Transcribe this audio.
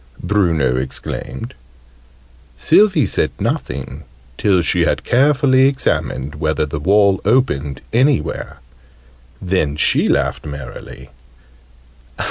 Bruno exclaimed. Sylvie said nothing, till she had carefully examined whether the wall opened anywhere. Then she laughed merrily.